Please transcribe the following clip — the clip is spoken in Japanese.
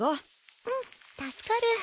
うん助かる。